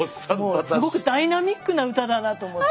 すごくダイナミックな歌だなと思って。